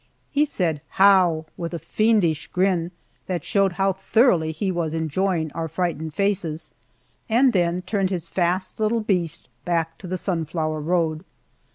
He said "How" with a fiendish grin that showed how thoroughly he was enjoying our frightened faces, and then turned his fast little beast back to the sunflower road.